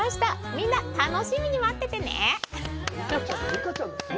みんな、楽しみに待っててね。